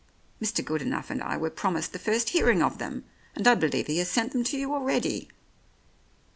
Mr. Good enough and I were promised the first hearing of them, and I believe he has sent them to you already."